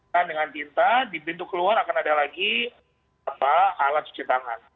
dan dengan tinta di pintu keluar akan ada lagi alat cuci tangan